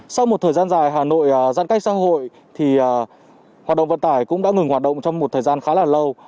sau một thời gian dài hà nội giãn cách xã hội thì hoạt động vận tải cũng đã ngừng hoạt động trong một thời gian khá là lâu